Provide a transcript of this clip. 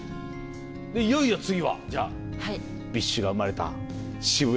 でいよいよ次は？じゃあＢｉＳＨが生まれた渋谷に。